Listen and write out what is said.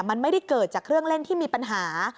มันไม่ได้เกิดจากเครื่องเล่นที่มีปัญหา